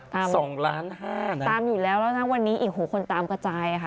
สองล้านห้านะตามอยู่แล้วแล้วนะวันนี้อีกหูคนตามกระจายค่ะ